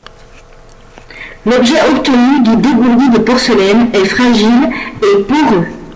L'objet obtenu, dit dégourdi de porcelaine, est fragile et poreux.